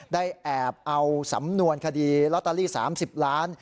ได้แอบเอาสำนวนคดีลอตเตอรี่๓๐ล้าน